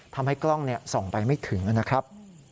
ทำให้กล้องส่องไปไม่ถึงนะครับ